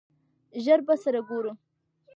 ژر به سره ګورو !